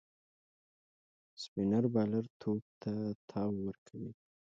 سپينر بالر توپ ته تاو ورکوي.